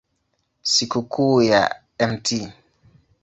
Sikukuu ya Mt.